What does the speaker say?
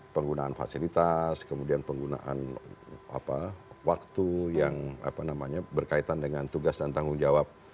penggunaan fasilitas kemudian penggunaan waktu yang berkaitan dengan tugas dan tanggung jawab